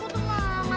tidak tidak tidak